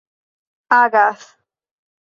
agas